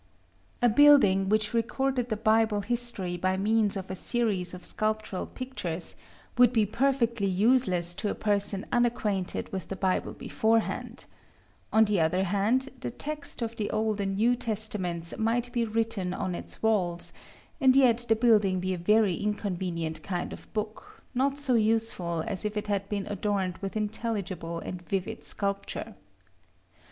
A building which recorded the Bible history by means of a series of sculptural pictures, would be perfectly useless to a person unacquainted with the Bible beforehand; on the other hand, the text of the Old and New Testaments might be written on its walls, and yet the building be a very inconvenient kind of book, not so useful as if it had been adorned with intelligible and vivid sculpture.